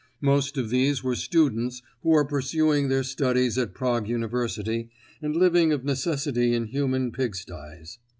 Most of these were students who are pursuing their studies at Prague University and living of necessity in human pigsties.